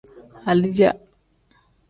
Alija.